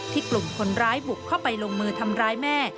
กลุ่มคนร้ายบุกเข้าไปลงมือทำร้ายแม่